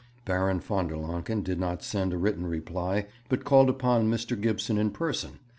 Baron von der Lancken did not send a written reply, but called upon Mr. Gibson in person.